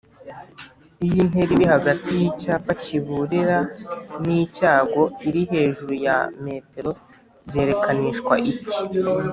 iyo intera iri hagati y’icyapa kiburira n’icyago iri hejuru ya m byerekanishwa iki